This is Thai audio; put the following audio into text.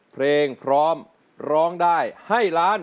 เพลงพร้อมร้องได้ให้ล้าน